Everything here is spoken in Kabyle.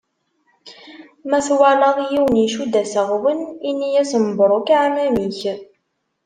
Ma twalaḍ yiwen icudd aseɣwen, ini-yas: mebruk aεmam-ik.